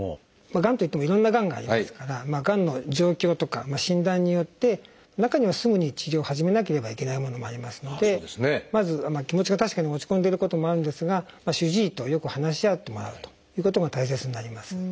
がんといってもいろんながんがありますからがんの状況とか診断によって中にはすぐに治療を始めなければいけないものもありますのでまず気持ちが確かに落ち込んでることもあるんですが主治医とよく話し合ってもらうということが大切になります。